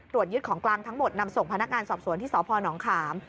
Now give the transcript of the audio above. ยึดของกลางทั้งหมดนำส่งพนักงานสอบสวนที่สพนขาม